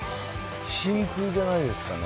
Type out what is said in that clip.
真空じゃないですかね。